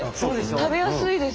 食べやすいです。